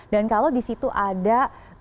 dan kalau di situ ada